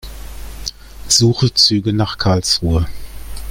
Suche Züge nach Karlsruhe.